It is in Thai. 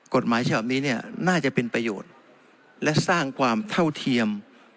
กฎหมายฉบับนี้เนี่ยน่าจะเป็นประโยชน์และสร้างความเท่าเทียม